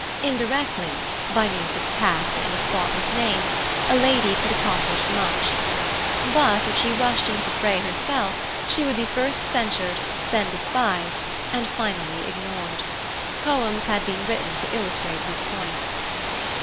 Indirectly, by means of tact and a spotless name, a lady could accomplish much. But if she rushed into the fray herself she would be first censured, then despised, and finally ignored. Poems had been written to illustrate this point.